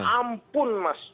susahnya minta ampun mas